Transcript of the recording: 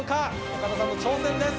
岡田さんの挑戦です。